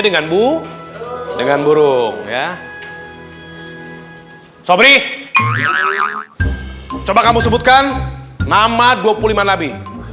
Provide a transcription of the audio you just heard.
dengan bu dengan burung ya sobri coba kamu sebutkan nama dua puluh lima nabi